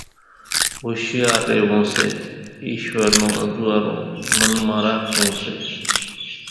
ھوشيار ريوون سي ايشور نون انزوئارون منَ مان راکوون سي